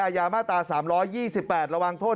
ยามาตรา๓๒๘ระวังโทษ